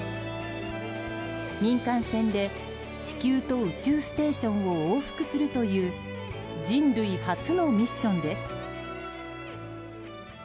民間船で地球と宇宙ステーションを往復するという人類初のミッションです。